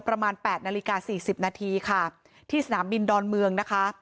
ประมาณ๘นาฬิกา๔๐นาทีที่สนามบินดอนเมือง